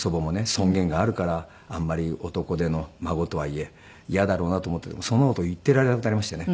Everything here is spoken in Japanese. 尊厳があるからあんまり男手の孫とはいえ嫌だろうなと思ったけどもうそんな事言っていられなくなりましたね。